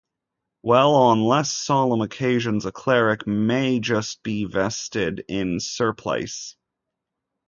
While on less solemn occasions, a cleric may just be vested in surplice.